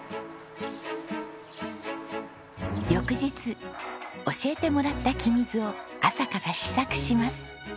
翌日教えてもらった黄身酢を朝から試作します。